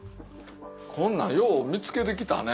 こんなんよう見つけてきたね。